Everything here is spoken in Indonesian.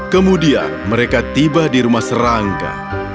kemudian mereka tiba di rumah serangga